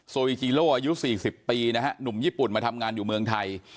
วิจีโลอายุ๔๐ปีนะฮะหนุ่มญี่ปุ่นมาทำงานอยู่เมืองไทย